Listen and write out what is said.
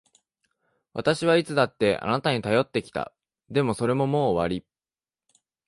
私はいつだってあなたに頼ってきた。でも、それももう終わり。